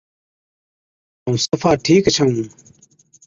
ائُون صفا ٺِيڪ ڇَئُون۔